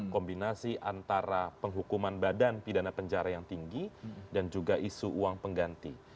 kombinasi antara penghukuman badan pidana penjara yang tinggi dan juga isu uang pengganti